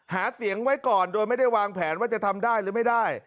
หาเสียงไว้ก่อนโดยไม่ได้วางแผนว่าจะทำได้หรือไม่ได้